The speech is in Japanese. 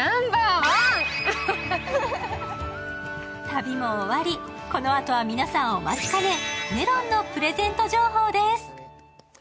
旅も終わり、このあとは皆さん、お待ちかね、メロンのプレゼント情報です。